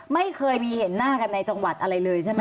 ไม่เคยมีเห็นหน้ากันในจังหวัดอะไรเลยใช่ไหม